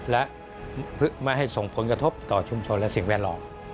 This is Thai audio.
และไม่ให้ส่งผลกระทบต่อชุมชนและสิ่งแวดล้อม